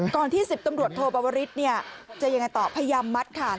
ก่อนที่สิบตำรวจโทปวริษพยายามมัดค่ะ